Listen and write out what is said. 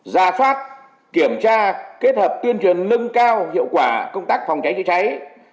ra soát kiểm tra kết hợp tuyên truyền nâng cao hiệu quả công tác phòng cháy chữa cháy